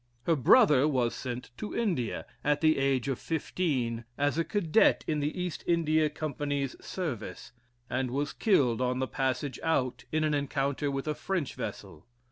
Her brother was sent to India, at the age of fifteen, as a cadet in the East India Company's service, and was killed on the passage out in an encounter with a French vessel.